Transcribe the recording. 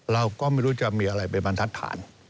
เราก็ไม่รู้จะมีอะไรเป็นบรรทัศน์